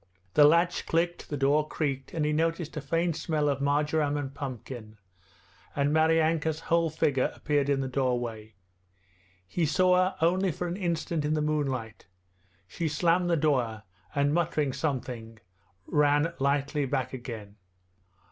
The latch clicked, the door creaked, and he noticed a faint smell of marjoram and pumpkin, and Maryanka's whole figure appeared in the doorway. He saw her only for an instant in the moonlight. She slammed the door and, muttering something, ran lightly back again.